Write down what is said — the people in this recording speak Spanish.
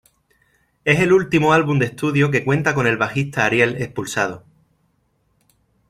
Es el último álbum de estudio que cuenta con el bajista Ariel Expulsado.